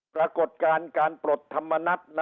ปรากฏการณ์การปลดธรรมนัฐ